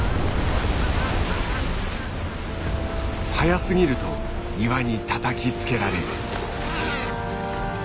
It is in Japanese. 早すぎると岩にたたきつけられる。